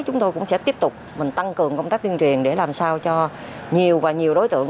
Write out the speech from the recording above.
chúng tôi cũng sẽ tiếp tục mình tăng cường công tác tuyên truyền để làm sao cho nhiều và nhiều đối tượng